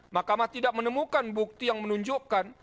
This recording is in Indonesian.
mahkamah tidak menemukan bukti yang menunjukkan